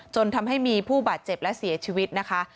จนทำให้มีผู้บาดเจ็บและเสียชีวิตนะคะ